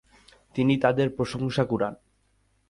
তিনি তাদের প্রশংসা কুড়ান।